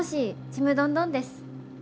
ちむどんどんです。